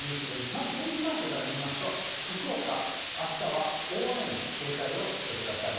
まず天気マークから見ますと、福岡、あしたは大雨に警戒をしてください。